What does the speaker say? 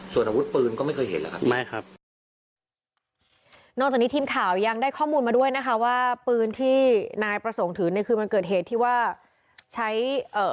ส่วนอาวุธปืนก็ไม่เคยเห็นแล้วครับไม่ครับนอกจากนี้ทีมข่าวยังได้ข้อมูลมาด้วยนะคะว่าปืนที่นายประสงค์ถือในคืนวันเกิดเหตุที่ว่าใช้เอ่อ